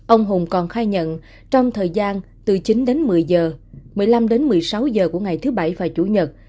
ông hùng còn khai nhận trong thời gian từ chín đến một mươi giờ một mươi năm đến một mươi sáu h của ngày thứ bảy và chủ nhật